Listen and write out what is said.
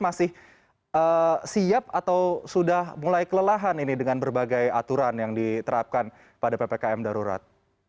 masih siap atau sudah mulai kelelahan ini dengan berbagai aturan yang diterapkan pada ppkm darurat